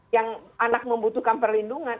yang anak membutuhkan perlindungan